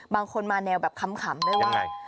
บางคนมาแนวแบบขำด้วยว่า